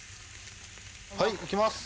はい行きます。